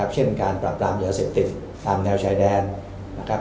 เช่นการปรับปรามยาเสพติดตามแนวชายแดนนะครับ